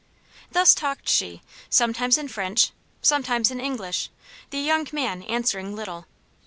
Thus talked she, sometimes in French, sometimes in English, the young man answering little.